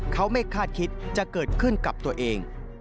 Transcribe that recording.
เขาไม่คาดคิดจะเกิดขึ้นกับตัวเอง